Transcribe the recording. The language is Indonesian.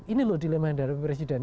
ini loh dilema yang dihadapi presiden